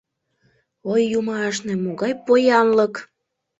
Ой, юмашне, могай поянлык!